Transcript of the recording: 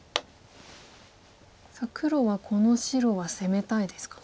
さあ黒はこの白は攻めたいですか？